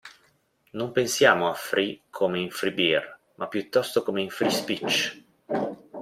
Non pensiamo a "free" come in "free beer", ma piuttosto come in "free speech".